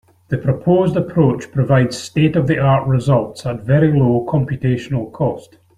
The proposed approach provides state-of-the-art results at very low computational cost.